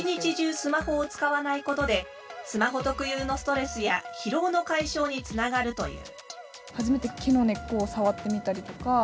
スマホを使わないことでスマホ特有のストレスや疲労の解消につながるという。